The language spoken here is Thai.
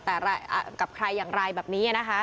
แต่กับใครอย่างไรแบบนี้นะคะ